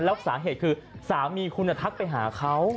แล้วสาเหตุคือสามีคุณทักไปหาเขา